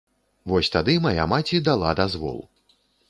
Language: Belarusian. Вось тады мая маці дала дазвол.